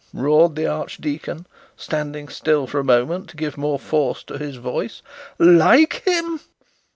roared the archdeacon, standing still for a moment to give more force to his voice; 'like him!'